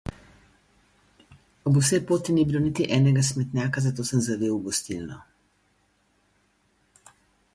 Ob vsej poti ni bilo niti enega smetnjaka, zato sem zavil v gostilno.